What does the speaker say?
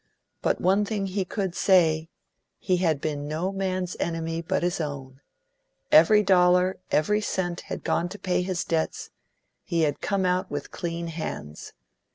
But one thing he could say: he had been no man's enemy but his own; every dollar, every cent had gone to pay his debts; he had come out with clean hands.